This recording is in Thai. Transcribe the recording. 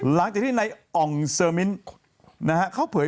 หลังจากที่ในอ่องนะฮะเขาเผย